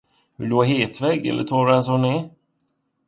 Vill du ha hetvägg eller tar du den som det är?